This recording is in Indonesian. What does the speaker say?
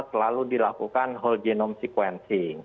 selalu dilakukan whole genome sequencing